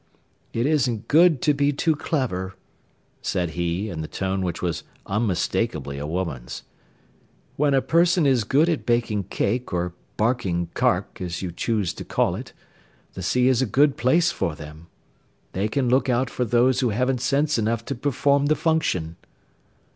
"It isn't good to be too clever," said he, in the tone which was unmistakably a woman's. "When a person is good at baking cake, or 'barking cark,' as you choose to call it, the sea is a good place for them. They can look out for those who haven't sense enough to perform the function."